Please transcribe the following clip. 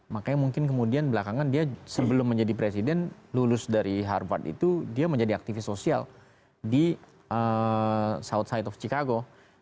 makanya mungkin kemudian belakangan dia sebelum menjadi presiden lulus dari harvard itu dia menjadi aktivis sosial di south side of chicago